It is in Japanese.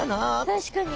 確かに。